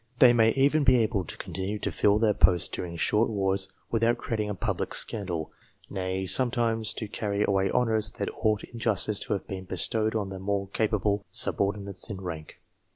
They may even be able to continue to fill their posts during short wars without creating a public scandal ; nay, sometimes to carry away honours that ought in justice to have been bestowed on their more capable subordinates in rank.